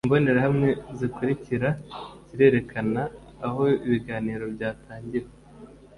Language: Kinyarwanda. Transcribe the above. imbonerahamwe zikurikira zirerekana aho ibiganiro byatangiwe